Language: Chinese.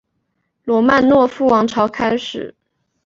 罗曼诺夫王朝开始。